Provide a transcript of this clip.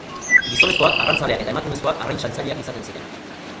Gizonezkoak arrantzaleak eta emakumezkoak arrain-saltzaileak izaten ziren.